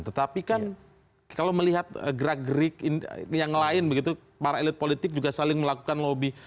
tetapi kan kalau melihat gerak gerik yang lain begitu para elit politik juga saling melakukan lobby